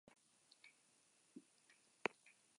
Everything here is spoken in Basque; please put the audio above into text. Gertatu izan da lehiakide berak bi zaku eraman izana ere.